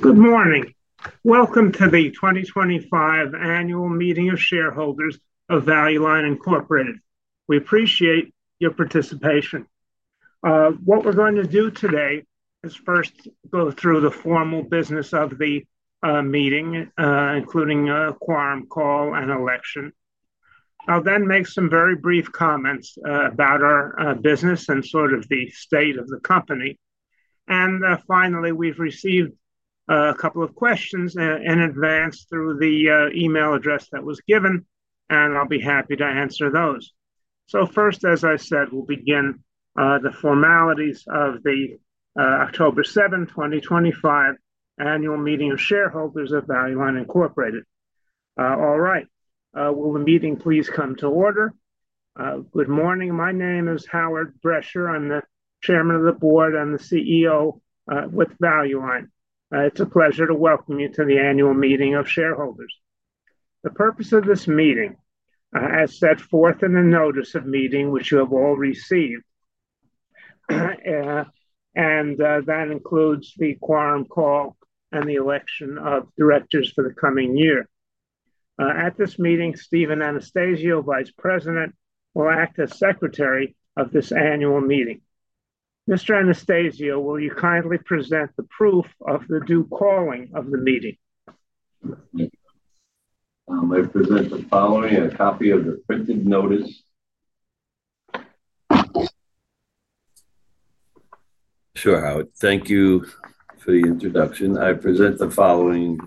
Good morning. Welcome to the 2025 Annual Meeting of Shareholders of Value Line, Inc. We appreciate your participation. What we're going to do today is first go through the formal business of the meeting, including a quorum call and election. I'll then make some very brief comments about our business and sort of the state of the company. Finally, we've received a couple of questions in advance through the email address that was given, and I'll be happy to answer those. First, as I said, we'll begin the formalities of the October 7, 2025, annual meeting of shareholders of Value Line, Inc. All right. Will the meeting please come to order? Good morning. My name is Howard Brecher. I'm the Chairman of the Board and the CEO with Value Line. It's a pleasure to welcome you to the annual meeting of shareholders. The purpose of this meeting, as set forth in the notice of meeting, which you have all received, includes the quorum call and the election of directors for the coming year. At this meeting, Stephen Anastasio, Vice President, will act as Secretary of this annual meeting. Mr. Anastasio, will you kindly present the proof of the due calling of the meeting? I might present the following: a copy of the printed notice. Sure, Howard. Thank you for the introduction. I present the following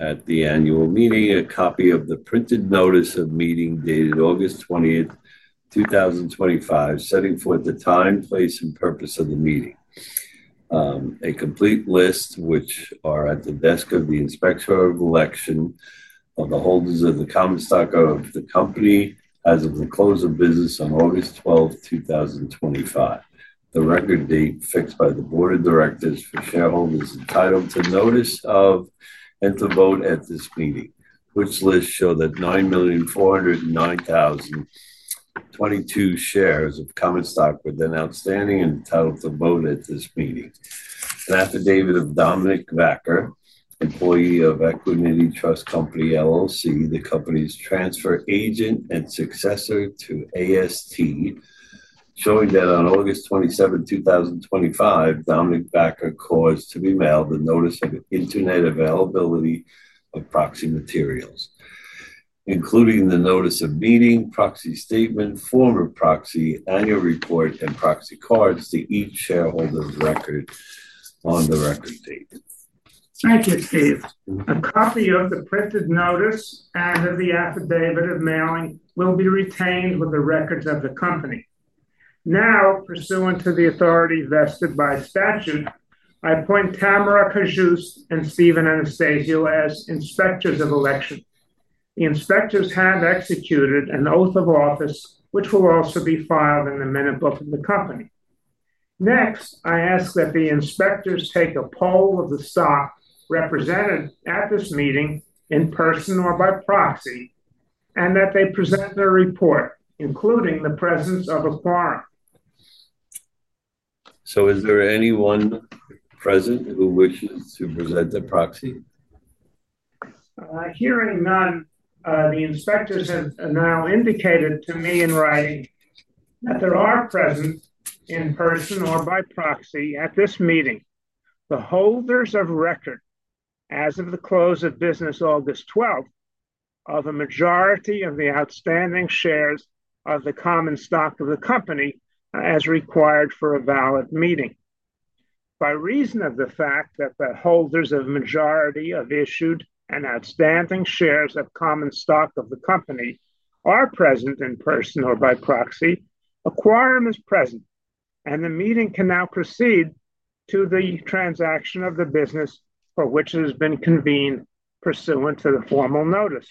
at the annual meeting, a copy of the printed notice of meeting dated August 20th, 2025, setting forth the time, place, and purpose of the meeting. A complete list, which are at the desk of the Inspector of Election, of the holders of the common stock of the company as of the close of business on August 12th, 2025, the record date fixed by the Board of Directors for shareholders entitled to notice of and to vote at this meeting, which lists show that 9,409,022 shares of common stock were then outstanding and entitled to vote at this meeting. An affidavit of Dominic Vacker, employee of Equimedy Trust Company, LLC, the company's transfer agent and successor to AST, showing that on August 27, 2025, Dominic Vacker caused to be mailed the notice of internet availability of proxy materials, including the notice of meeting, proxy statement, former proxy, annual report, and proxy cards to each shareholder of record on the record date. A copy of the printed notice and of the affidavit of mailing will be retained with the records of the company. Now, pursuant to the authority vested by statute, I appoint Tamara [Cajuste] and Stephen Anastasio as Inspectors of Election. The Inspectors have executed an oath of office, which will also be filed in the minute book of the company. Next, I ask that the Inspectors take a poll of the stock represented at this meeting in person or by proxy, and that they present their report, including the presence of a quorum. Is there anyone present who wishes to present their proxy? Hearing none, the inspectors have now indicated to me in writing that they are present in person or by proxy at this meeting. The holders of record, as of the close of business August 12, of a majority of the outstanding shares of the common stock of the company, as required for a valid meeting. By reason of the fact that the holders of a majority of issued and outstanding shares of common stock of the company are present in person or by proxy, a quorum is present, and the meeting can now proceed to the transaction of the business for which it has been convened pursuant to the formal notice.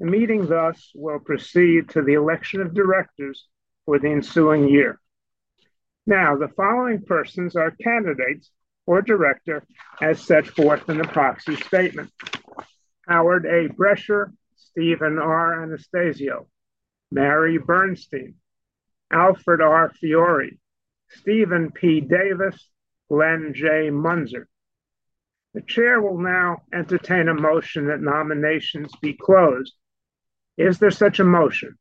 The meeting thus will proceed to the election of directors for the ensuing year. Now, the following persons are candidates for director, as set forth in the proxy statement: Howard A. Brecher, Stephen R. Anastasio, Mary Bernstein, Alfred R. Fiore, Stephen P. Davis, Glenn J. Muenzer. The chair will now entertain a motion that nominations be closed. Is there such a motion?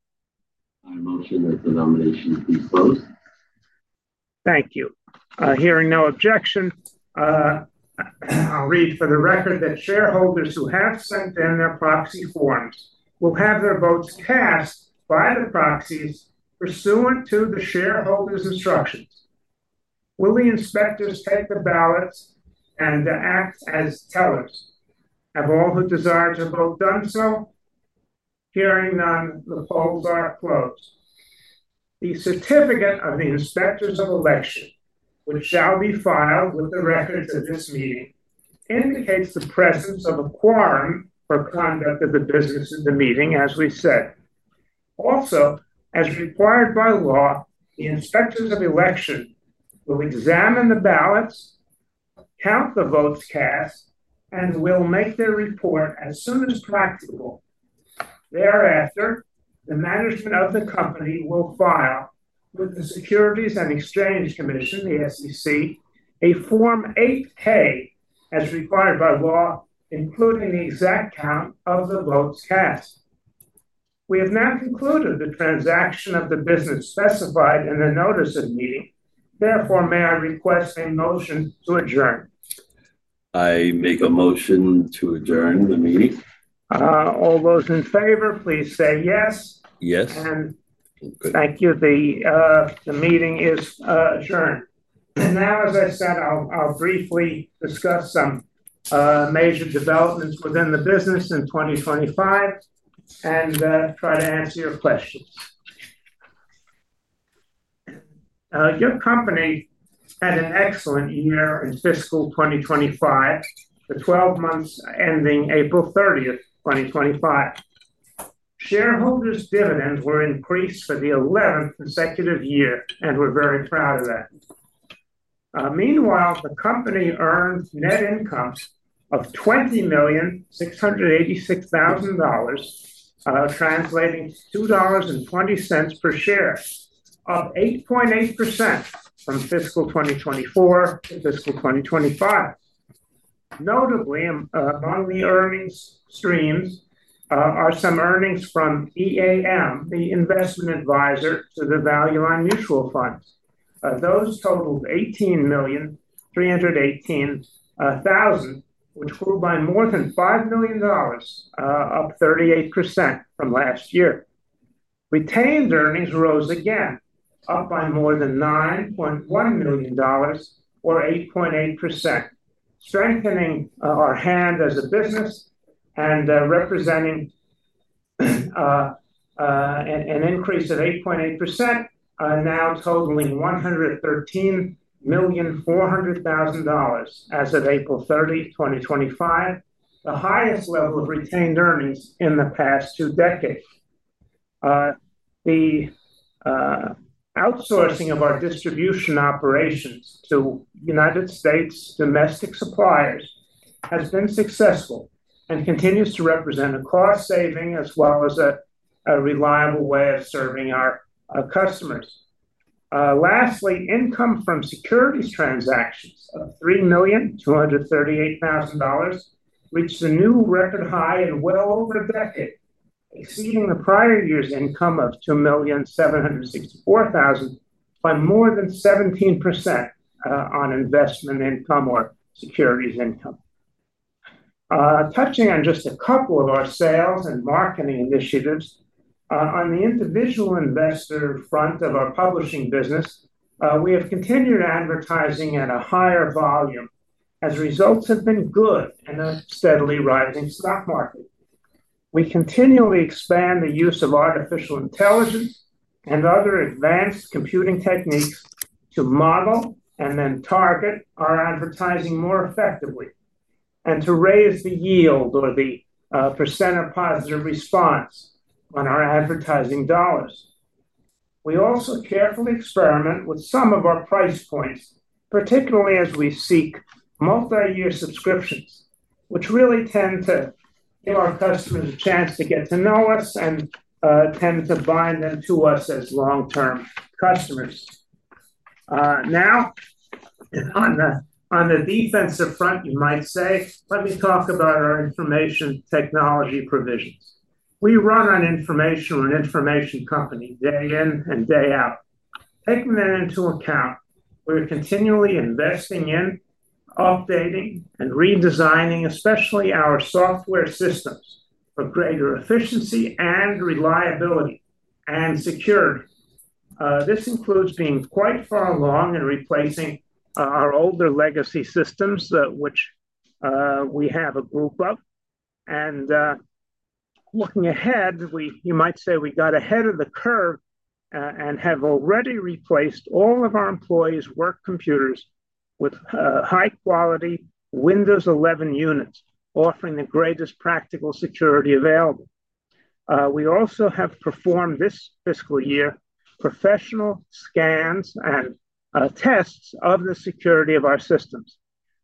I motion that the nominations be closed. Thank you. Hearing no objection, I'll read for the record that shareholders who have sent in their proxy forms will have their votes cast by the proxies pursuant to the shareholders' instructions. Will the inspectors take the ballot and act as tellers? Have all who desire to vote done so? Hearing none, the polls are closed. The certificate of the inspectors of election, which shall be filed with the records of this meeting, indicates the presence of a quorum for conduct of the business of the meeting, as we said. Also, as required by law, the inspectors of election will examine the ballots, count the votes cast, and will make their report as soon as practical. Thereafter, the management of the company will file with the SEC a Form 8-K, as required by law, including the exact count of the votes cast. We have now concluded the transaction of the business specified in the notice of meeting. Therefore, may I request a motion to adjourn? I make a motion to adjourn the meeting. All those in favor, please say yes. Yes. Thank you. The meeting is adjourned. As I said, I'll briefly discuss some major developments within the business in 2025 and try to answer your questions. Your company had an excellent year in fiscal 2025, the 12 months ending April 30th, 2025. Shareholders' dividends were increased for the 11th consecutive year and we're very proud of that. Meanwhile, the company earns net income of $20,686,000, translating to $2.20 per share, up 8.8% from fiscal 2024 to fiscal 2025. Notably, among the earnings streams are some earnings from EAM, the investment advisor to the Value Line Mutual Fund. Those totaled $18,318,000, which grew by more than $5 million, up 38% from last year. Retained earnings rose again, up by more than $9.1 million, or 8.8%, strengthening our hand as a business and representing an increase of 8.8%, now totaling $113,400,000 as of April 30, 2025, the highest level of retained earnings in the past two decades. The outsourcing of our distribution operations to U.S. domestic suppliers has been successful and continues to represent a cost-saving as well as a reliable way of serving our customers. Lastly, income from securities transactions of $3,238,000 reached a new record high in well over a decade, exceeding the prior year's income of $2,764,000 by more than 17% on investment income or securities income. Touching on just a couple of our sales and marketing initiatives, on the individual investor front of our publishing business, we have continued advertising at a higher volume as results have been good in a steadily rising stock market. We continually expand the use of artificial intelligence and other advanced computing techniques to model and then target our advertising more effectively and to raise the yield or the percent of positive response on our advertising dollars. We also carefully experiment with some of our price points, particularly as we seek multi-year subscriptions, which really tend to give our customers a chance to get to know us and tend to bind them to us as long-term customers. On the defensive front, you might say, let me talk about our information technology provisions. We run on information and information company day in and day out. Taking that into account, we're continually investing in updating and redesigning especially our software systems for greater efficiency and reliability and security. This includes being quite far along in replacing our older legacy systems, which we have a group of. Looking ahead, you might say we got ahead of the curve and have already replaced all of our employees' work computers with high-quality Windows 11 units, offering the greatest practical security available. We also have performed this fiscal year professional scans and tests of the security of our systems.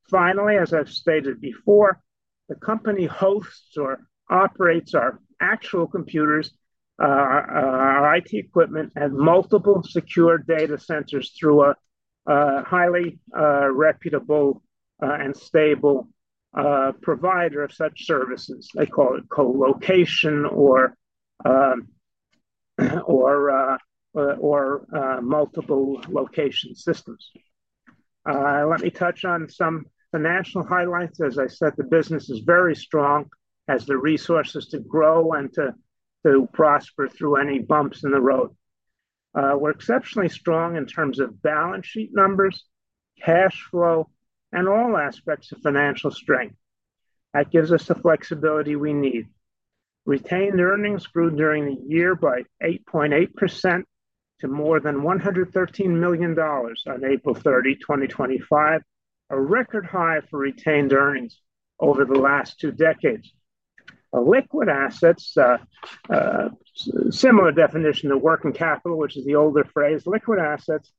Finally, as I've stated before, the company hosts or operates our actual computers, our IT equipment, and multiple secure data centers through a highly reputable and stable provider of such services. They call it co-location or multiple location systems. Let me touch on some financial highlights. As I said, the business is very strong as the resources to grow and to prosper through any bumps in the road. We're exceptionally strong in terms of balance sheet numbers, cash flow, and all aspects of financial strength. That gives us the flexibility we need. Retained earnings grew during the year by 8.8% to more than $113 million on April 30, 2025, a record high for retained earnings over the last two decades. Liquid assets, similar definition to working capital, which is the older phrase, liquid assets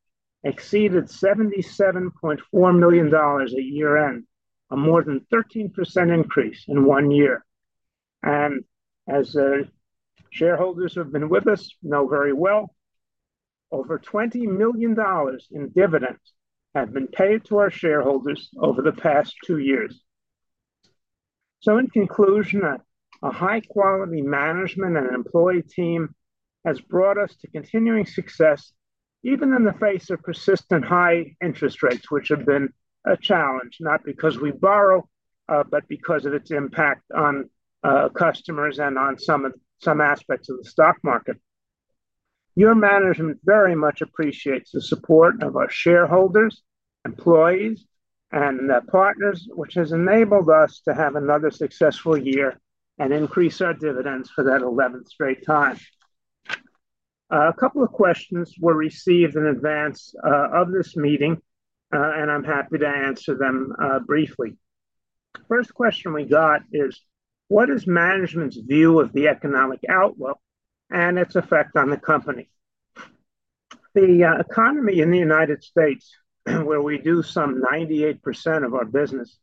exceeded $77.1 million at year-end, a more than 13% increase in one year. As shareholders who have been with us know very well, over $20 million in dividends have been paid to our shareholders over the past two years. In conclusion, a high-quality management and employee team has brought us to continuing success, even in the face of persistent high interest rates, which have been a challenge, not because we borrow, but because of its impact on customers and on some aspects of the stock market. Your management very much appreciates the support of our shareholders, employees, and partners, which has enabled us to have another successful year and increase our dividends for that 11th straight time. A couple of questions were received in advance of this meeting, and I'm happy to answer them briefly. The first question we got is, what is management's view of the economic outlook and its effect on the company? The economy in the U.S., where we do some 98% of our business,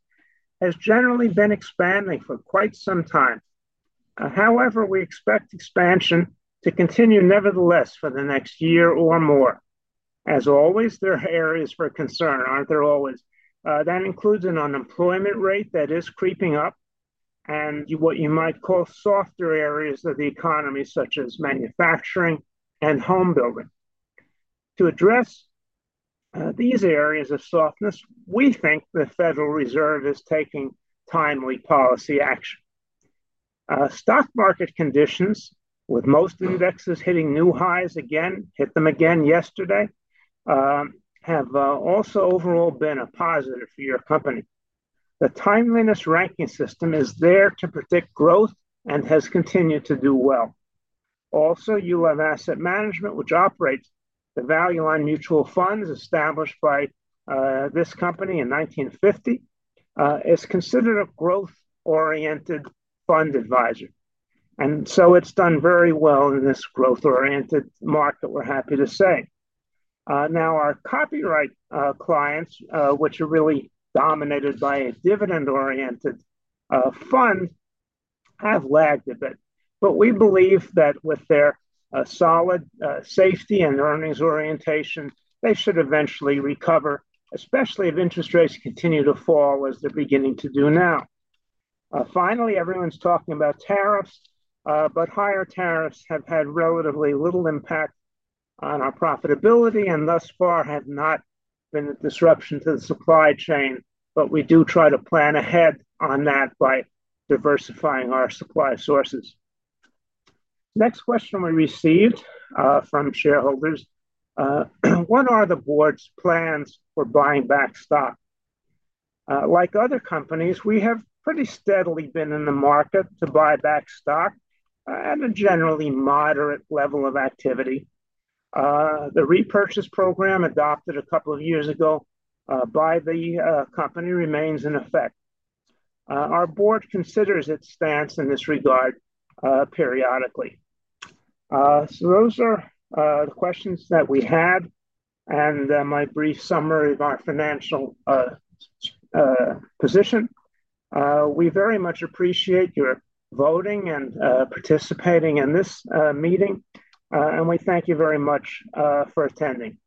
has generally been expanding for quite some time. We expect expansion to continue nevertheless for the next year or more. As always, there are areas for concern, aren't there always? That includes an unemployment rate that is creeping up and what you might call softer areas of the economy, such as manufacturing and home building. To address these areas of softness, we think the Federal Reserve is taking timely policy action. Stock market conditions, with most indexes hitting new highs again, hit them again yesterday, have also overall been a positive for your company. The Timeliness Ranking System is there to predict growth and has continued to do well. Also, EAM, which operates the Value Line Mutual Fund established by this company in 1950, is considered a growth-oriented fund advisor. It has done very well in this growth-oriented market, we're happy to say. Now, our copyright clients, which are really dominated by a dividend-oriented fund, have lagged a bit. We believe that with their solid safety and earnings orientation, they should eventually recover, especially if interest rates continue to fall as they're beginning to do now. Finally, everyone's talking about tariffs, but higher tariffs have had relatively little impact on our profitability and thus far have not been a disruption to the supply chain. We do try to plan ahead on that by diversifying our supply sources. Next question we received from shareholders, what are the board's plans for buying back stock? Like other companies, we have pretty steadily been in the market to buy back stock at a generally moderate level of activity. The stock repurchase program adopted a couple of years ago by the company remains in effect. Our board considers its stance in this regard periodically. Those are the questions that we had and my brief summary of our financial position. We very much appreciate your voting and participating in this meeting, and we thank you very much for attending.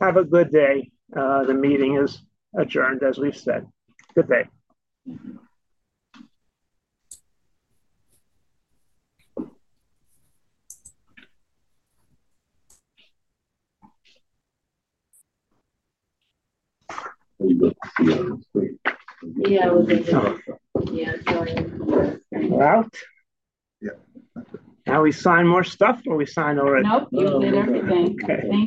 Have a good day. The meeting is adjourned, as we've said. Good day. Yeah, it's going Out. Yeah. Do we sign more stuff or have we signed already? Nope, you'll do everything. Okay. Thank you.